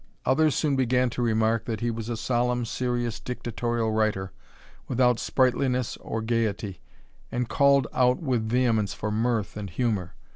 Others soon began to remark that he was a solemn, serious, dictatorial writer, without sprightliness or gaiety, and called out with vehemence for mirth and humour.